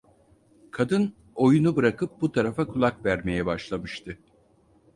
Kadın oyunu bırakıp bu tarafa kulak vermeye başlamıştı.